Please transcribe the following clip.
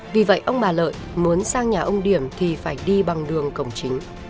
vì vậy ông bà lợi muốn sang nhà ông điểm thì phải đi bằng đường cổng chính